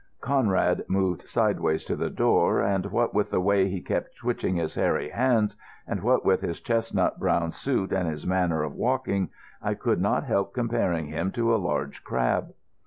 Conrad moved sideways to the door, and what with the way he kept twitching his hairy hands, and what with his chestnut brown suit and his manner of walking, I could not help comparing him to a large crab.